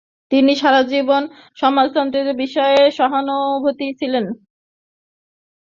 তিনি সারাজীবন সমাজতান্ত্রিকতার বিষয়ে সহানুভূতিশীল ছিলেন।